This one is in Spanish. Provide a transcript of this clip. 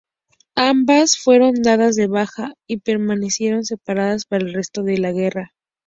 Ambas fueron dadas de baja y permanecieron separadas para el resto de la guerra.